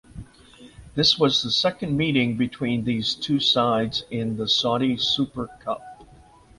This was the second meeting between these two sides in the Saudi Super Cup.